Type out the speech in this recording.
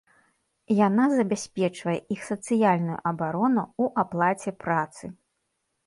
Яна забяспечвае іх сацыяльную абарону ў аплаце працы.